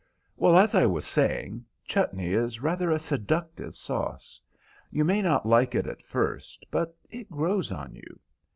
"Well, as I was saying, chutney is rather a seductive sauce. You may not like it at first, but it grows on you.